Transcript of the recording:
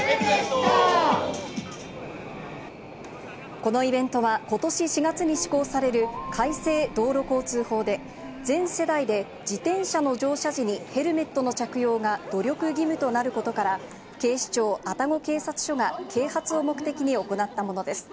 このイベントは、ことし４月に施行される改正道路交通法で、全世代で自転車の乗車時にヘルメットの着用が努力義務となることから、警視庁愛宕警察署が啓発を目的に行ったものです。